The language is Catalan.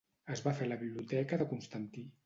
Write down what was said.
Es va fer a la biblioteca de Constantí.